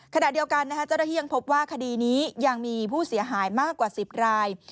ขณะเดียวกันเจ้าหน้าที่ยังพบว่าคดีนี้ยังมีผู้เสียหายมากกว่า๑๐ราย